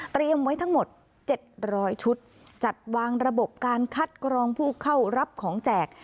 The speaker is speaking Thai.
ไว้ทั้งหมด๗๐๐ชุดจัดวางระบบการคัดกรองผู้เข้ารับของแจก